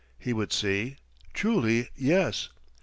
He would see. Truly yes.